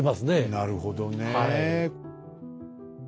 なるほどねえ。